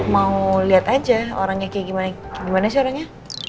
mau liat aja orangnya kayak gimana sih orangnya